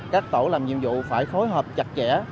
các tổ làm nhiệm vụ phải phối hợp chặt chẽ